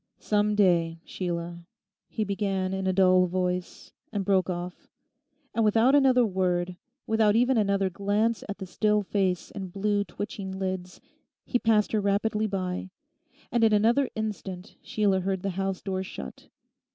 'Some day, Sheila' he began in a dull voice, and broke off, and without another word, without even another glance at the still face and blue, twitching lids, he passed her rapidly by, and in another instant Sheila heard the house door shut.